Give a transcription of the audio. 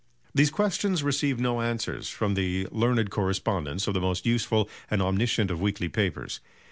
These questions received no answers from the learned correspondents of the most useful and omniscient of weekly papers.